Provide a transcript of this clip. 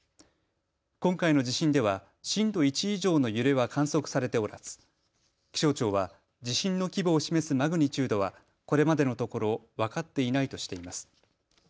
今回の地震では震度１以上の揺れは観測されておらず気象庁は地震の規模を示すマグニチュードはこれまでのところ分かっていないとしています。